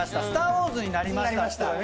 『スター・ウォーズ』になりました。